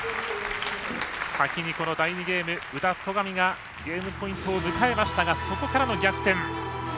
先に第２ゲーム宇田、戸上がゲームポイントを迎えましたがそこからの逆転。